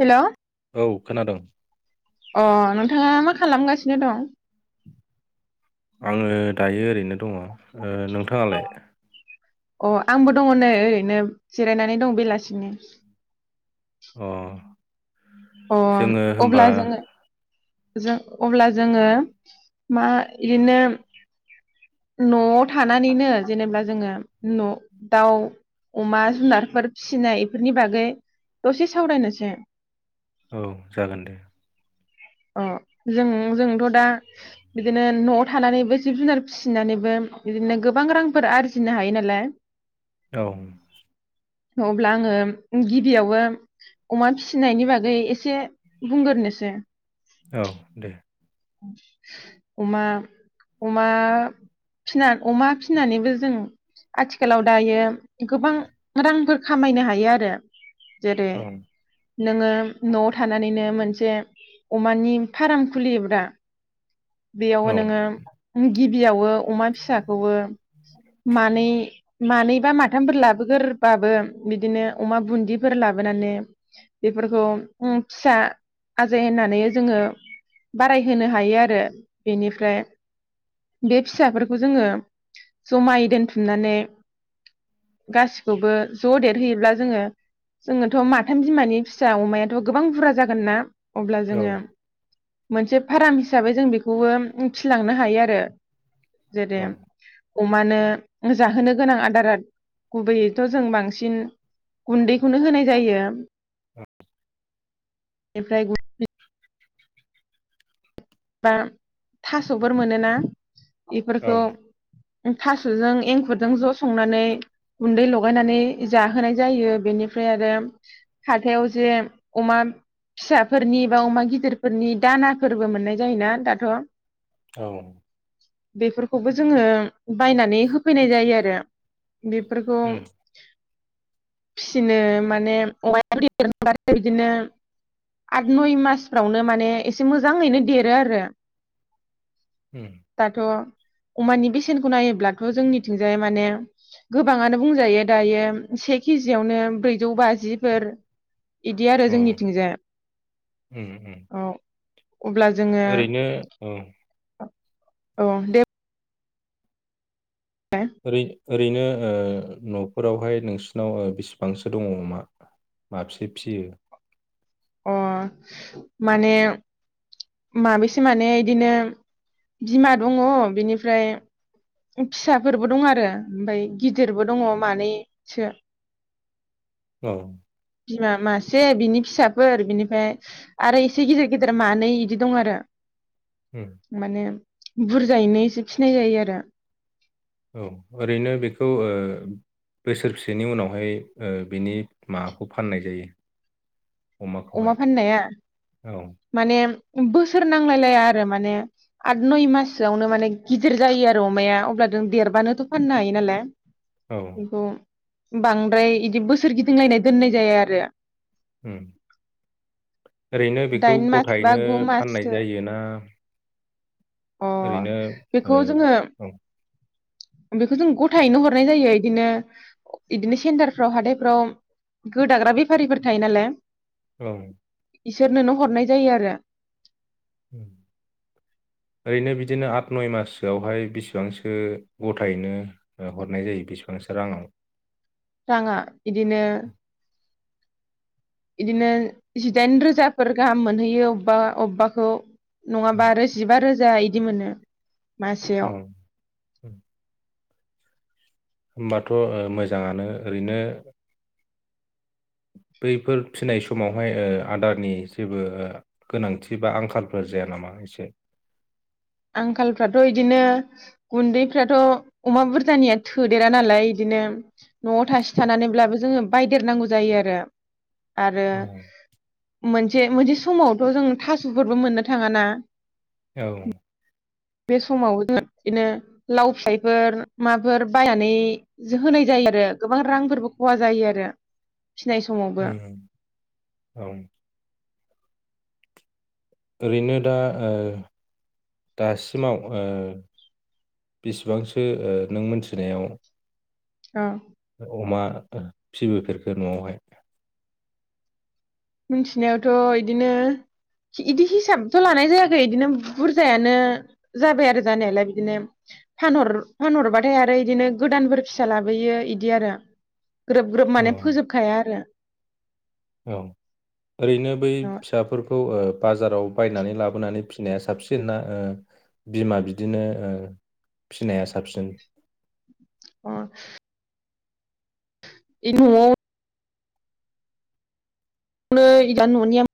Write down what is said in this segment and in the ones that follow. Hello औ खोनादों नोंथाङा मा खालामगासिनो दं आङो दायो ओरैनो दङ ओ नोंथाङालाय अ आंबो दङ नै ओरैनो जिरायनानै दं बेलासिनि अ अ जोङो होमबा अब्ला जोङो जों अब्ला जोङो मा बिदिनो न'आव थानानैनो जेनेबा जोङो न' दाउ अमा जुनारफोर फिसिनाय बेफोरनि बागै दसे सावरायनोसै औ जागोन दे अ जों जोंथ' दा बिदिनो न'आव थानानैबो जिब जुनार फिसिनानैबो बिदिनो गोबां रांफोर आरजिनो हायो नालाय औ अब्ला आङो गिबियावबो अमा फिसिनायनि बागै एसे बुंग्रोरनोसै औ दे अमा अमा फि अमा फिनानैबो जों आथिखालाव दायो गोबां रांफोर खामायनो हायो आरो जेरै औ नोङो न'आव थानानैनो मोनसे अमानि फाराम खुलियोब्रा बेयाव औ नोङो ओम गिबियाव ओ अमा फिसाखौबो मानै मानैबा माथामफोर लाबोगोरबाबो बिदिनो अमा बुन्दिफोर लाबोनानै बेफोरखौ फिसा आजाय होननानै जोङो बाराय होनो हायो आरो बेनिफ्राय बे फिसाफोरखौ जोङो जमायै दोनथुमनानै गासिखौबो ज' देरहैयोब्ला जोङो जोङोथ' माथाम बिमानि फिसा अमायाथ' गोबां बुरजा जागोन ना अब्ला औ जोङो मोनसे फाराम हिसाबै जों बेखौबो फिलांनो हायो आरो जेरै अमानो जाहोनो गोनां आदारा गुबैयैथ' जों बांसिन गुन्दैखौनो होनाय जायो फ्राय बा थास'फोर मोनोना औ इफोरखौ थास'जों एंखुरजों ज' संनानै गुन्दै लगायनानै जाहोनाय जायो बेनिफ्राय आरो हाथायाव जे अमा फिसाफोरनि बा अमा गिदिरफोरनि दानाफोरबो मोननाय जायो जायोना दाथ' औ बेफोरखौबो जोङो बायनानै होफैनाय जायो आरो बेफोरखौ उम फिसिनो माने [inaudible] बिदिनो आद नय मासफ्रावनो माने एसे मोजाङैनो देर ओ आरो उम उम दाथ' अमानि बेसेनखौ नायोब्लाथ' जोंनिथिंजाय माने गोबाङानो बुंजायो दायो से केजियावनो ब्रैजौ बाजिफोर इदि आरो अ जोंनिथिंजाय उम उम औ अब्ला जोङो ओरैनो औ औ दे ओरै ओरैनो ओ न'फोरावहाय नोंसिनाव बिसिबांसो दङ अमा माबसे फियो अ माने माबेसो माने बिदिनो बिमा दङ बिनिफ्राय फिसाफोरबो दं आरो ओमफ्राय गिदिरबो दङ मानैसो औ बिमा मासे बिनि फिसाफोर बिनिफ्राय आरो इसे गिदिर गिदिर मानै बिदि दं आरो उम माने बुरजायैनो एसे फिसिनाय जायो आरो औ ओरैनो बेखौ ओ बोसोर बेसेनि उनावहाय ओ बिनि माबाखौ फाननाय जायो अमाखौहाय अमा फाननाया औ माने बोसोर नांलायलाया आरो माने आद नय माससोआवनो माने गिदिर जायो आरो अमाया अब्ला नों देरबानोथ' फाननो हायो नालाय औ बेखौ बांद्राय इदि बोसोर गिदिंलायनाय दोननाय जाया आरो उम ओरैनो बेखौ दाइन मास बा गथायैनो गु माससो फाननाय जायोना अ ओरैनो ओ बेखौ जोङो औ बेखौ जों गथायैनो हरनाय जायो इदिनो इदिनो सेन्टारफ्राव हाथायफ्राव गोदाग्रा बेफारिफोर थायो नालाय औ इसोरनोनो हरनाय जायो आरो उम ओरैनो बिदिनो आठ नय माससोआवहाय बेसेबांसो गथायैनो हरनाय जायो बेसेबांसो राङाव राङा बिदिनो इदिनो जिदाइन रोजाफोर गाहाम मोनहैयो अबबा अबबाखौ नङाबा उम, आरो जिबा रो जा इदि मोनो मासेयाव औ उ होमबाथ' ओ मोजाङानो ओरैनो बैफोर फिसिनाय समावहाय ओ आदारनि जेबो ओ गोनांथि बा आंखालफोर जाया नामा एसे आंखालफ्राथ' बिदिनो गुन्दैफ्राथ' अमा बुरजानिया थोदेरा नालाय बिदिनो न'आव थासे थानानैब्लाबो जोङो बायदेरनांगौ जायो आरो आरो औ मोन मोनसे मोनसे समावथ' जों थास'फोरबो मोननो थाङा ना औ बे समाव बिदिनो लाव फिथाइफोर माफोर बायनानै होनाय जायो आरो गोबां रांफोरबो खहा जायो आरो फिनाय समावबो ओम औ ओरैनो दा ओ दासिमाव ओ बेसिबांसो ओ नों मोनथिनायाव अ अमा फिसिबुफेरखो न'आवहाय मिथिनायावथ' इदिनो इदि हिसाबथ' लानाय जायाखै बिदिनो बुरजायानो जाबाय आरो जानायालाय बिदिनो फानहर फानहरबाथाय आरो इदिनो गोदानफोर फिसा लाबोयो इदि आरो ग्रोब ग्रोब औ माने फोजोबखाया आरो औ ओरैनो बै अ फिसाफोरखौ ओ बाजाराव बायनानै लाबोनानै फिसिनाया साबसिन ना ओ बिमा बिदिनो ओ फिसिनाया साबसिन अ इन न'आव नो इदा न'निया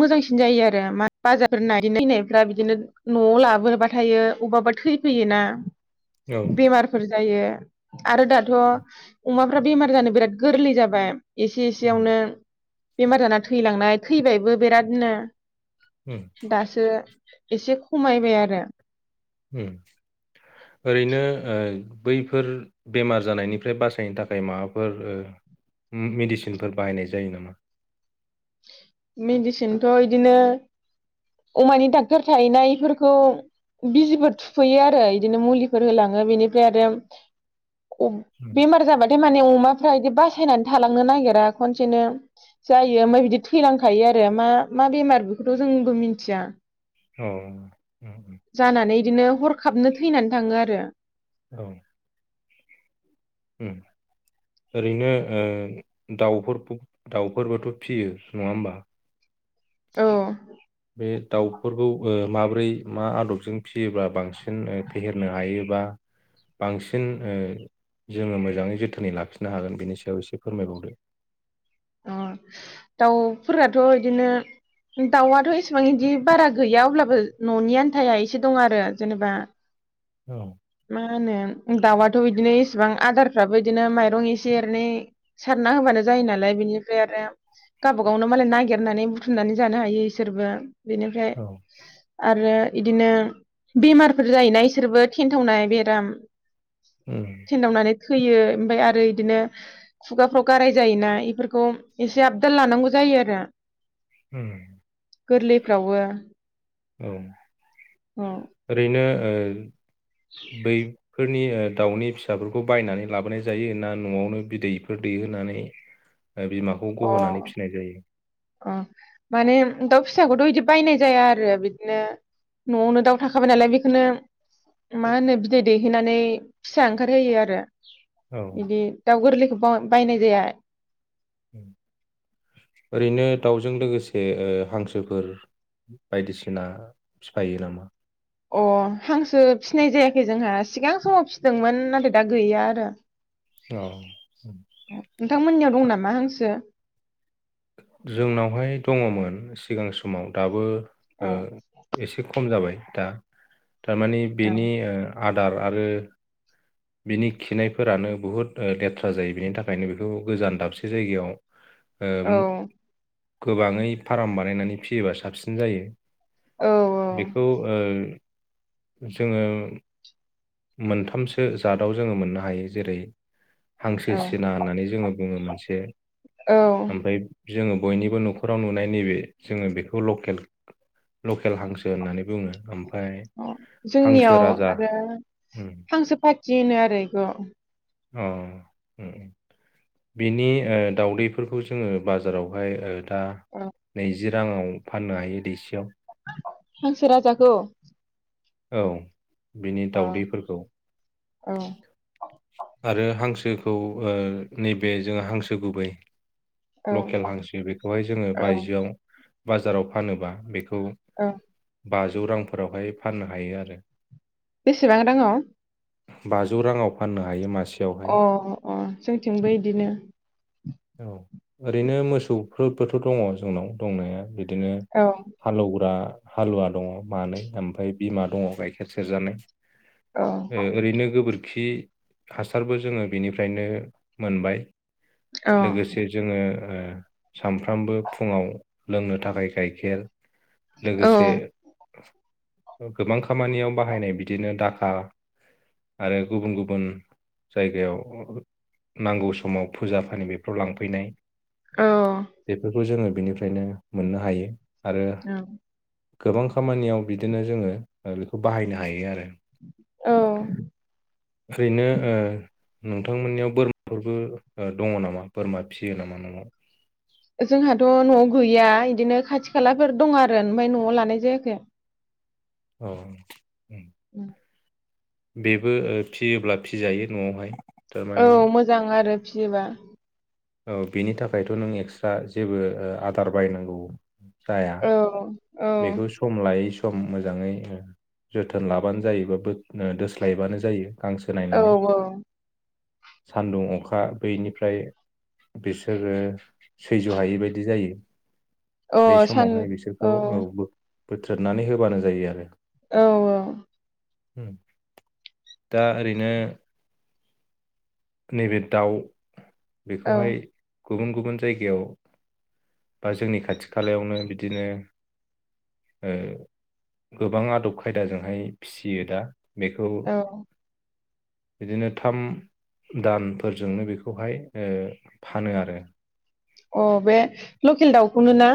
मोजांसिन जायो आरो मा बाजारफोरना इदिनो फिसिनायफोरा बिदिनो न'आव लाबोबाथायो अबेबा अबेबा थैफैयोना औ बेमारफोर जायो आरो दाथ' अमाफ्रा बेमार जानो बिराद गोरलै जाबाय एसे औ एसेयावनो बेमार जाना थैलांनाय थैबायबो बिरादनो उम दासो एसे खमायबाय आरो ओरैनो ओ बैफोर बेमार जानायनिफ्राय बासायनो थाखाय माबाफोर ओ मेडिसिनफोर बाहायनाय जायो नामा मेडिसिनथ' बिदिनो अमानि डक्टर थाहैनायफोरखौ बिजिफोर थुफैयो आरो बिदिनो मुलिफोर होलाङो बेनिफ्राय आरो खब बेमार जाबाथाय माने अमाफ्रा बिदि बासायनानै थालांनो नागिरा खनसेनो जायो ओमफाय बिबदि थैलांखायो आरो मा मा बेमार बेखौथ' जोंबो मिन्थिया औ उम जानानै बिदिनो हरखाबनो थैनानै थाङो आरो औ ओम ओरैनो ओ दाउ दाउफोरबोथ' फियो नङा होमबा औ बे दाउफोरखौ ओ माब्रै मा आदबजों फिसियोब्ला बांसिन फेहेरनो हायोबा बांसिन ओ जोङो मोजाङै जोथोनै लाखिनो हागोन बेनि सायाव एसे फोरमायबावदो अ दाउफोराथ' बिदिनो दाउआथ' एसिबां बिदि बारा गैया अब्लाबो न'नि आन्थाया एसे दं आरो जेनेबा औ मा होनो दाउआथ' बिदिनो इसेबां आदारफ्राबो बिदिनो माइरं एसे एरनै सारना होबानो जायो नालाय बिनिफ्राय आरो गावबागावनो मालाय नागिरनानै बुथुमनानै जानो हायो इसोरबो बेनिफ्राय आरो इदिनो बेमारफोर जायोना इसोरबो थेन्थावनाय बेराम थेन्दावनानानै थैयो ओमफाय आरो बिदिनो खुगाफ्राव गाराय जायोना इफोरखौ एसे आबदाल लानांगौ जायो आरो ओम गोरलैफ्रावबो औ औ ओरैनो ओ बै फोरनि दाउनि फिसाफोरखौ बायनानै लाबोनाय जायो ना न'आवनो बिदैफोर दैहोनानै ओ बिमाखौ गहोनानै अ फिसिनाय जायो अ माने दाव फिसाखौथ' बिदि बायनाय जाया आरो बिदिनो न'आवनो दाउ थाखाबाय नालाय बेखौनो मा होनो बिदै दैहैनानै फिसा ओंखारहोयो आरो औ बिदि दाउ गोरलै बायनाय जाया ओरैनो दाउजों लोगोसे ओ हांसोफोर बायदिसिना फिफायो नामा अ हांसो फिनाय जायाखै जोंहा सिगां समाव फिसिदोंमोन नाथाय दा गैया आरो औ नोंथांमोननियाव दं नामा हांसो जोंनावहाय दङमोन सिगां समाव दाबो औ ओ एसे खम जाबाय दा थारमाने औ बेनि आदार आरो बिनि खिनायफोरानो बुहुत ओ लेथ्रा जायो बिनि थाखायनो बेखौ गोजान दाबसे जायगायाव ओ म- औ गोबाङै फार्म बानायनानै फियोबा साबसिन जायो औ बेखौ ओ जोङो मोनथामसो जादाव जोङो मोननो हायो जेरै हांसो सिना होननानै जोङो बुङो मोनसे औ ओमफ्राय जोङो बयनिबो न'खराव नुनाय नैबे जोङो बेखौ लकेल लकेल हांसो होननानै बुङो ओमफ्राय हांसो जोंनियाव राजा आरो उम हांसो फा थि होनो आरो एखौ अ उम बिनि ओ दावदैफोरखौ जोङो बाजारावहाय ओ नैजिबा जि राङाव फाननो हायो दैसेयाव हांसो राजाखौ औ बिनि औ दावदैफोरखो औ आरो हांसो खौ ओ नैबे जोङो हांसो गुबै औ लकेल हांसो बेखौहाय जोङो औ बायजोआव बाजाराव फानोबा बेखौ औ बाजौ रांफोरावहाय फाननो हायो आरो बेसेबां दङ बाजौ राङाव फाननो हायो मा अ अ जोंथिंबो इदिनो औ ओरैनो मोसौफोरबोथ' दङ जोंनाव दंनाया बि इदिनो औ हालौग्रा हालुवा दङ मानै ओमफ्राय बिमा दङ गाइखेर सेरजानाय औ ओ ओरैनो गोबोर खि हासारबो जोङो बेनिफ्रायनो मोनबाय औ लोगोसे जोङो ओ सामफ्रामबो फुङाव लोंनो थाखाय गाइखेर औ लोगोसे गोबां खामानियाव बाहायनाय बिदिनो डाखा आरो गुबुन गुबुन जायगायाव नांगौ समाव फुजा फानि बे राव लांफैनाय बेफोरखौ जोंङो बिनिफ्रायनो मोननो हायो आरो औ गोबां खामानियाव बिदिनो जोङो ओ बेखौ बाहायनो हायो आरो औ ओरैनो ओ नोंथांमोननियाव बोरमाफोरबो दङ नामा बोरमा फिसियो नामा न आव जोंहाथ' न'आव गैया इदिनो खाथि खालाफोर दं आरो ओमफाय न'आव लानाय जायाखै औ उ [unintelligible] बेबो ओ फियोब्ला फिजायो न'आवहाय औ थारमानि मोजां आरो फियोबा औ बेनि थाखायथ' नों एक्सट्रा जेबो ओ आदार बायनांगौ जाया औ औ बेखौ सम लाय जायै सम मोजाङै जोथोन लाबानो जायो बा दोस्लायबानो जायो गांसो औ नायनानै सान्दुं अखा बैनिफ्राय बिसोरो सैज' हायै बायदि जायो औ बे अ सान समावहाय बिसोरखौ औ बोथ्रोननानै होबानो जायो आरो औ औ दा ओरैनो नैबे दाउ औ बेखौहाय गुबुन गुबुन जायगायाव बा जोंनि खाथि खालायावनो बिदिनो ओ गोबां आदब खायदाजोंहाय फिसियो दा बेखौ औ बिदिनो थाम दानफोरजोंनो बेखौहाय ओ फानो आरो अ बे लकेल दाउखौनो ना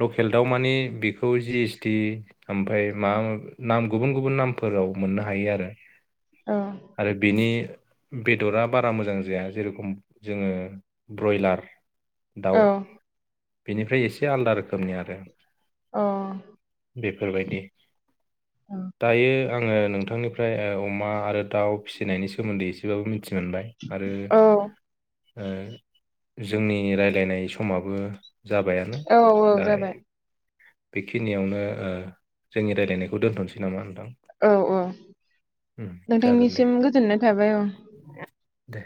लकेल दाउ मानि बेखौ जि एसटि ओमफ्राय माबा नाम गुबुन गुबुन नामफोराव मोननो हायो आरो औ आरो बिनि बेदरा बारा मोजां जाया जेरखम जोङो ब्रयलार दाउ औ बेनिफ्राय एसे आलादा रोखोम खोमनि आरो अ बेफोरबायदि दायो आङो नोंथांनिफ्राय ओ अमा आरो दाउ फिसिनायनि सोमोन्दै एसेबाबो मिथिनो मिथि मोनबाय आरो औ जोंनि रायलायनाय समाबो जाबायानो औ औ दा जाबाय बेखिनियावनो ओ जोंनि रायज्लायनायखौ दोनथ'सै नामा नोंथां? औ औ उम जागोन दे। नोंथांनिसिम गोजोननाय थाबाय औ दे